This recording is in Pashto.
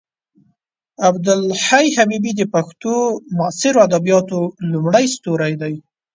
عبدالحی حبیبي د پښتو معاصرو ادبیاتو لومړی ستوری دی.